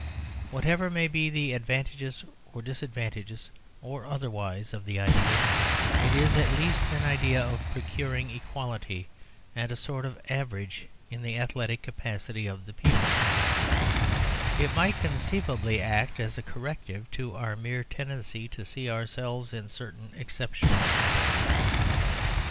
Whatever may be the advantages or disadvantages otherwise of the idea, it is at least an idea of procuring equality and a sort of average in the athletic capacity of the people; it might conceivably act as a corrective to our mere tendency to see ourselves in certain exceptional athletes.